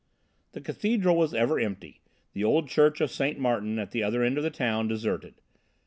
The cathedral was ever empty, the old church of St. Martin, at the other end of the town, deserted.